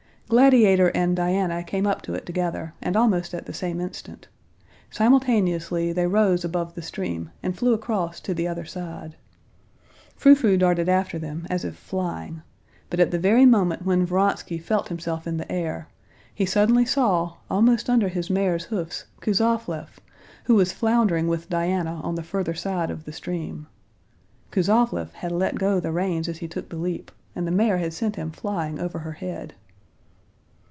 Gladiator and Diana came up to it together and almost at the same instant; simultaneously they rose above the stream and flew across to the other side; Frou Frou darted after them, as if flying; but at the very moment when Vronsky felt himself in the air, he suddenly saw almost under his mare's hoofs Kuzovlev, who was floundering with Diana on the further side of the stream. (Kuzovlev had let go the reins as he took the leap, and the mare had sent him flying over her head.)